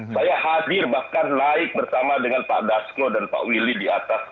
saya hadir bahkan naik bersama dengan pak dasko dan pak willy di atas